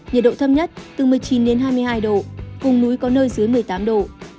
nhiệt độ thấp nhất từ một mươi chín đến hai mươi hai độ vùng núi có nơi dưới một mươi tám độ